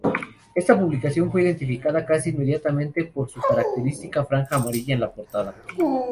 Esta publicación fue identificada casi inmediatamente por su característica franja amarilla en la portada.